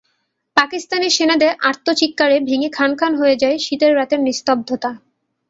পাকিস্তানি সেনাদের আর্তচিৎকারে ভেঙে খান খান হয়ে যায় শীতের রাতের নিস্তব্ধতা।